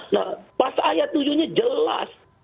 nah pas ayat tujuh nya jelas